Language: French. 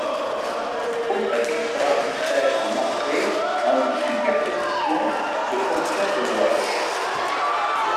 Elle décompose un vecteur arbitraire en entrée en une superposition de fonctions de Walsh.